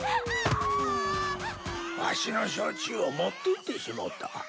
わしの焼酎を持っていってしもうた。